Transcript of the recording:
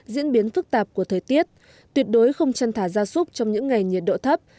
diễn biến phức tạp của thời tiết tuyệt đối không chăn thả ra súc trong những ngày nhiệt độ thấp